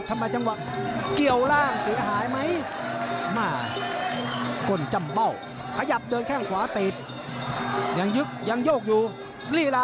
ลูกหนักนี่ได้เลยนะครับต้นเพชร